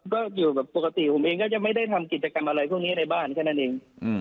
ก็อยู่แบบปกติผมเองก็จะไม่ได้ทำกิจกรรมอะไรพวกนี้ในบ้านแค่นั้นเอง